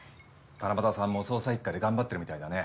七夕さんも捜査一課で頑張ってるみたいだね。